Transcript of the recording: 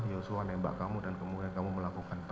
yosua nembak kamu dan kemudian kamu melakukan